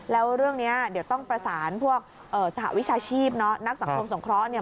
แล้วเรื่องนี้เดี๋ยวต้องประสานพวกสหวิชาชีพเนาะนักสังคมสงเคราะห์เนี่ย